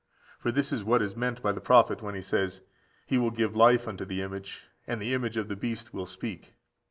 For this is what is meant by the prophet when he says, "He will give life unto the image, and the image of the beast will speak."